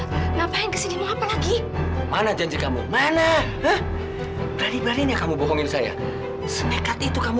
hai ngapain kesini mau lagi mana janji kamu mana berani berani kamu bohongin saya sempet itu kamu